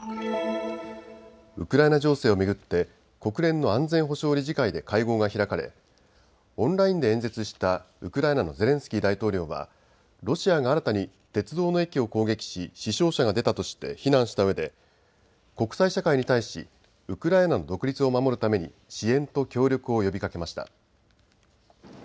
ウクライナ情勢を巡って国連の安全保障理事会で会合が開かれオンラインで演説したウクライナのゼレンスキー大統領はロシアが新たに鉄道の駅を攻撃し死傷者が出たとして非難したうえで国際社会に対しウクライナの独立を守るために支援と協力を呼びかけました。